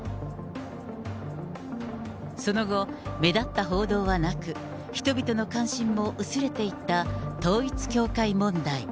その後、目立った報道はなく、人々の関心も薄れていった統一教会問題。